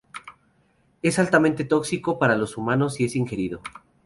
Es altamente tóxico para los humanos si es ingerido.